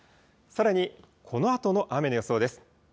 さらにこのあとの雨の予想です。